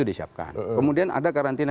disiapkan kemudian ada karantina